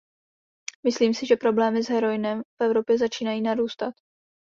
Myslím si, že problémy s heroinem v Evropě začínají narůstat.